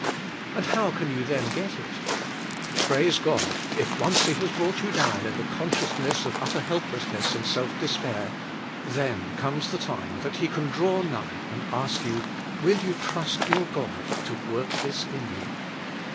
And how can you then get it? Praise God, if once He has brought you down in the consciousness of utter helplessness and self despair, then comes the time that He can draw nigh and ask you, "Will you trust your God to Vv^ork this in you?"